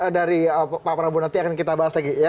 dari pak prabowo nanti akan kita bahas lagi ya